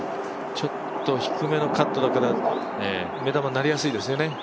ちょっと低めのカットだから目玉になりやすいですよね。